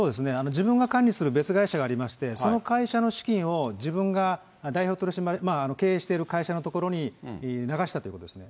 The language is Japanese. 自分が管理する別会社がありまして、その会社の資金を自分が経営している会社のところに流したということですね。